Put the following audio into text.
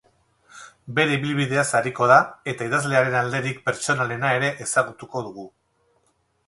Bere ibilbideaz ariko da, eta idazlearen alderik pertsonalena ere ezagutuko dugu.